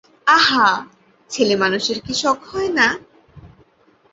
আহা, ছেলেমানুষের কি শখ হয় না।